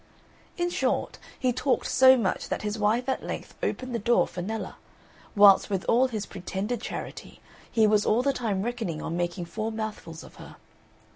In short, he talked so much that his wife at length opened the door for Nella; whilst with all his pretended charity he was all the time reckoning on making four mouthfuls of her.